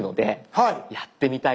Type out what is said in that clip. はい。